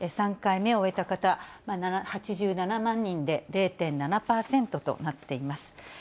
３回目終えた方、８７万人で０．７％となっています。